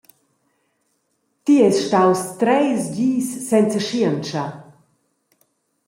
Ti eis staus treis dis senza schientscha!